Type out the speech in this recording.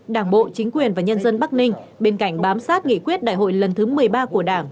đảng bộ chính quyền và nhân dân bắc ninh bên cạnh bám sát nghị quyết đại hội lần thứ một mươi ba của đảng